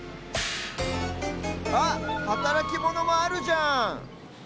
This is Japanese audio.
あっはたらきモノもあるじゃん！